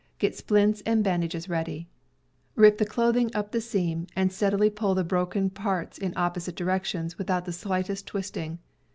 Get splints and bandages ready. Rip the clothing up the seam, and steadily pull the broken parts in opposite directions, without the slightest twisting.